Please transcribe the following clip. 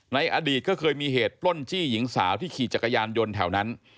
อดีตก็เคยมีเหตุปล้นจี้หญิงสาวที่ขี่จักรยานยนต์แถวนั้น